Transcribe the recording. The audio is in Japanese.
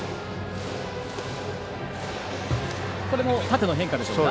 これも縦の変化でしょうか。